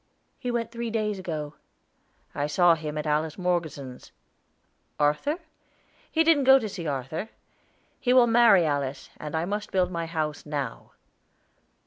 "He went three days ago." "I saw him at Alice Morgeson's." "Arthur?" "He didn't go to see Arthur. He will marry Alice, and I must build my house now."